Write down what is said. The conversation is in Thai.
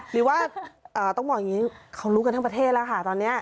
หรือว่าต้องบอกอย่างนี้เขารู้กันทั้งประเทศแล้วค่ะตอนนี้